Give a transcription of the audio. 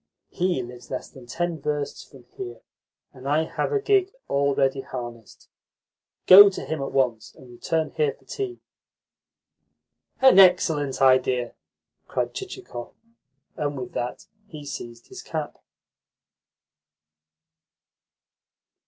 He lives less than ten versts from here, and I have a gig already harnessed. Go to him at once, and return here for tea." "An excellent idea!" cried Chichikov, and with that he seized his cap.